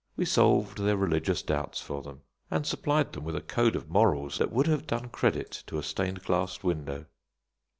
We solved their religious doubts for them, and supplied them with a code of morals that would have done credit to a stained glass window.